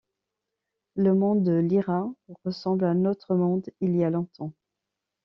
Le monde de Lyra ressemble à notre monde il y a longtemps.